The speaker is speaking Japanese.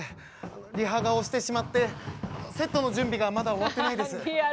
リハが押してしまってセットの準備がまだ終わってないです。